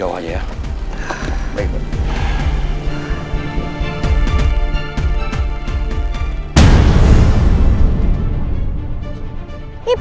itu tadi yang